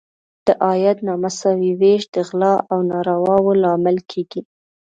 د عاید نامساوي ویش د غلا او نارواوو لامل کیږي.